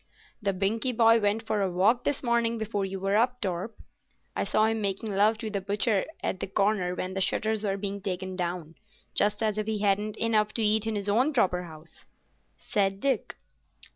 "The Binkie boy went for a walk this morning before you were up, Torp. I saw him making love to the butcher at the corner when the shutters were being taken down—just as if he hadn't enough to eat in his own proper house," said Dick.